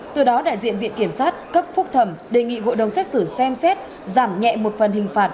từ đó đại diện viện kiểm sát cấp phúc thẩm đề nghị hội đồng xét xử xem xét giảm nhẹ một phần hình phạt